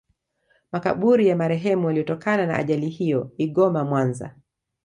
Makaburi ya marehemu waliotokana na ajali hiyo Igoma Mwanza